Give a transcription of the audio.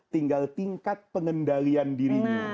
tinggal tingkat pengendalian dirinya